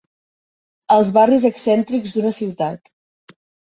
Els barris excèntrics d'una ciutat.